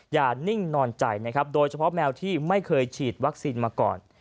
อย่านิ่งนอนใจโดยเฉพาะแมวที่ไม่เคยฉีดวัคซีนมาก่อน